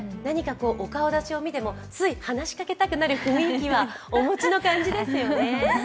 お顔だちを見ても、つい話しかけたくなる雰囲気はお持ちの感じですよね。